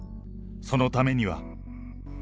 そのためには。